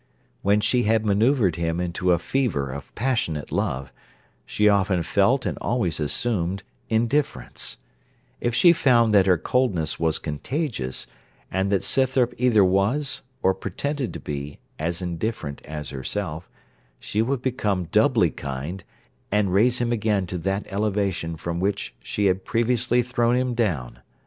When she had manoeuvred him into a fever of passionate love, she often felt and always assumed indifference: if she found that her coldness was contagious, and that Scythrop either was, or pretended to be, as indifferent as herself, she would become doubly kind, and raise him again to that elevation from which she had previously thrown him down.